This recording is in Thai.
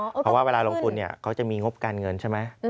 เพราะว่าเวลาลงทุนเนี่ยเขาจะมีงบการเงินใช่ไหม